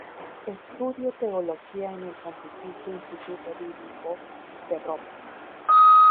Estudio Teología en el Pontificio Instituto Bíblico de Roma.